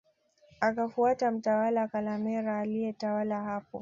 Akafuata mtawala Kalemera aliyetawala hapo